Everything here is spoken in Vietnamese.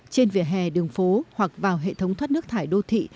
để đường phố hoặc vào hệ thống thoát nước thải đô thị